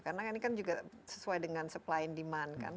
karena ini kan juga sesuai dengan supply and demand kan